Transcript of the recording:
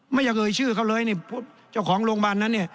ไม่อยากเอ่ยชื่อเขาเลยนี่เจ้าของโรงพยาบาลนั้นเนี่ย